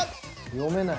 読めない。